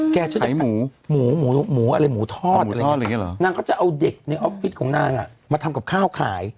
ฉันจะหมูหมูอะไรหมูทอดอะไรอย่างนี้นางก็จะเอาเด็กในออฟฟิศของนางมาทำกับข้าวขาย